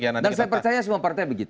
dan saya percaya semua partai begitu